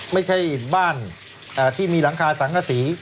ไม่ใช่บ้านที่มีหลังคาสังกษี